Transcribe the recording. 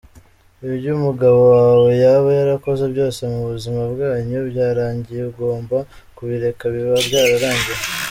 Ibyo umugabo wawe yaba yarakoze byose mu buzima bwanyu bwarangiye, ugombz kubireka biba byararanngiye.